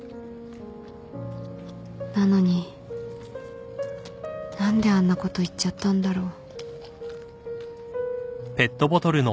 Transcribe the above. なのに何であんなこと言っちゃったんだろう